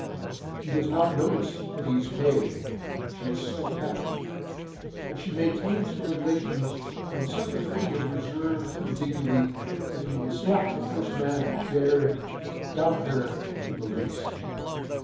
He does not notice that he is paying, she is so tactful; and she maintains her relations on such a footing of reserve and dignity that he would slap the first man who dared doubt her in the least.